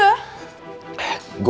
eh eh eh tunggu